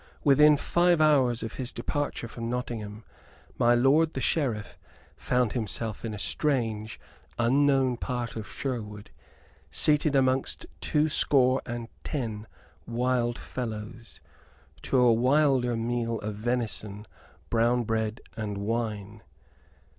Within five hours of his departure from Nottingham my lord the Sheriff found himself in a strange, unknown part of Sherwood, seated amongst two score and ten wild fellows, to a wilder meal of venison, brown bread, and wine.